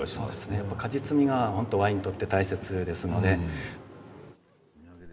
やっぱ果実味がホントワインにとって大切ですので。